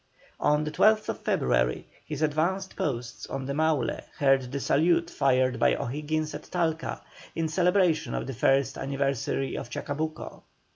On the 12th February his advanced posts on the Maule heard the salute fired by O'Higgins at Talca, in celebration of the first anniversary of Chacabuco.